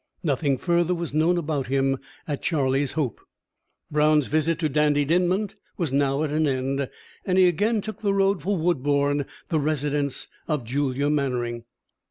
Nothing further was known about him at Charlie's Hope. Brown's visit to Dandie Dinmont was now at an end, and he again took the road for Woodbourne, the residence of Julia Mannering.